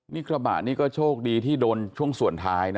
นี่กระบะนี่ก็โชคดีที่โดนช่วงส่วนท้ายนะ